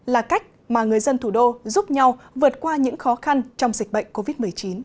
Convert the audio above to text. là cách mà người dân thủ đô giúp nhau vượt qua những khó khăn trong dịch bệnh covid một mươi chín